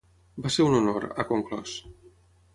Va ser un honor, ha conclòs.